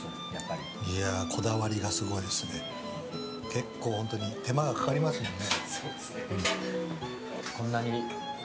結構、本当に手間がかかりますもんね。